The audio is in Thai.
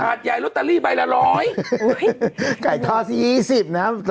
ใหญ่ลอตเตอรี่ใบละร้อยไก่ทอดสี่ยี่สิบนะครับ